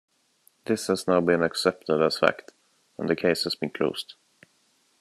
This has now been accepted as fact, and the case has been closed.